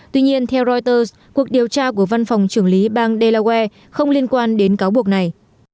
tuy nhiên theo reuters cuộc điều tra của văn phòng trưởng lý bang delaware không liên quan đến cáo buộc này